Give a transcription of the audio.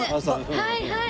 はいはい。